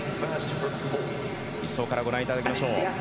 １走からご覧いただきましょう。